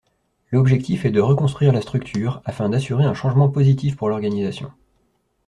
L'objectif est de reconstruire la structure afin d'assurer un changement positif pour l'organisation.